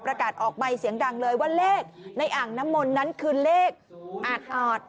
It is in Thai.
ประกาศออกใบเสียงดังเลยว่าเลขในอ่างน้ำมนต์นั้นคือเลขอาด